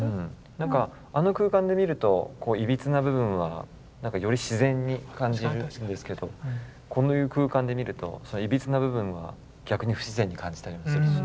何かあの空間で見るといびつな部分はより自然に感じるんですけどこういう空間で見るといびつな部分は逆に不自然に感じたりもするし。